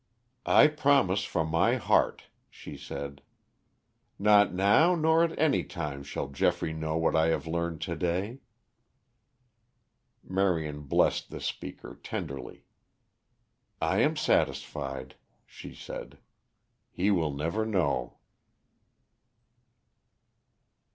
"I promise from my heart," she said. "Not now nor at any time shall Geoffrey know what I have learned to day." Marion blessed the speaker tenderly. "I am satisfied," she said. "He will never know."